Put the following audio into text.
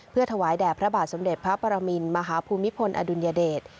เพื่อถวายแด่พระบาทสมเด็จพระปรมินมหาภูมิพลอดุลยเดช